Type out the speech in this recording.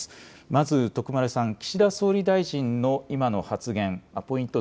まず徳丸さん、岸田総理大臣の今の発言、ポイント